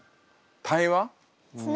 対話？